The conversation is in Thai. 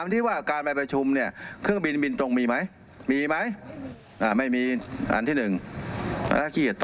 ไม่ได้ร่มเสียทั้งที่เนี่ย